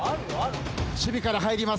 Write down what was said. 守備から入ります。笑